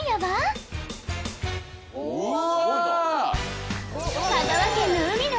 うわ！